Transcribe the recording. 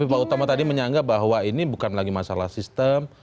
ya utama tadi menyangka bahwa ini bukan lagi masalah sistem